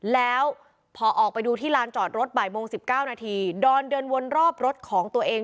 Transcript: แล้วพอออกไปดูที่ลานจอดรถบ่ายโมง๑๙นาทีดอนเดินวนรอบรถของตัวเอง